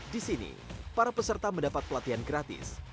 disini para peserta mendapat pelatihan gratis